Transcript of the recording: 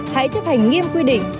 hãy chấp hành nghiêm quy định